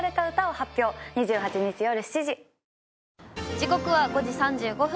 時刻は５時３５分。